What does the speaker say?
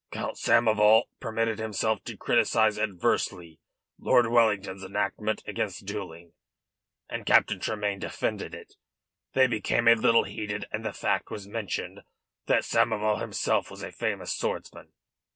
"Count Samoval permitted himself to criticise adversely Lord Wellington's enactment against duelling, and Captain Tremayne defended it. They became a little heated, and the fact was mentioned that Samoval himself was a famous swordsman.